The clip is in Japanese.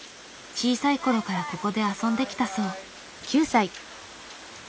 小さい頃からここで遊んできたそう。